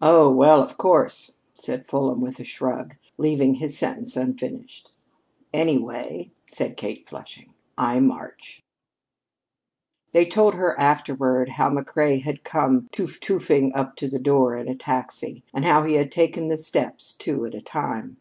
"Oh, well, of course " said Fulham with a shrug, leaving his sentence unfinished. "Anyway," said Kate flushing, "I march!" They told her afterward how McCrea had come toof toofing up to the door in a taxi, and how he had taken the steps two at a time.